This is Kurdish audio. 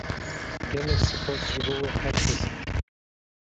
Gelek spas ji bo we her kesî.